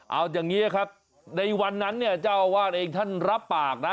เอาอย่างนี้ครับในวันนั้นเนี่ยเจ้าอาวาสเองท่านรับปากนะ